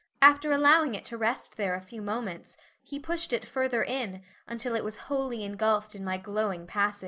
After allowing it to rest there a few moments, he pushed it further in until it was wholly engulfed in my glowing passage.